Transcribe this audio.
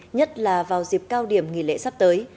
nhất là vào dịp cao điểm nghỉ lễ sắp tới